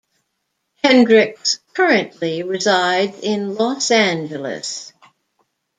Hendrix currently resides in Los Angeles.